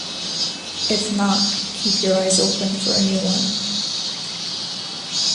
If not..keep your eyes open for a new one.